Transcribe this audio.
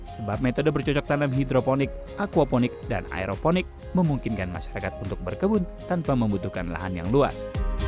sebab metode bercocok tanam hidroponik aquaponik dan aeroponik memungkinkan masyarakat untuk berkebun tanpa membutuhkan lahan yang luas